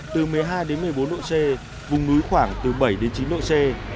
từ một mươi hai đến một mươi bốn độ c vùng núi khoảng từ bảy đến chín độ c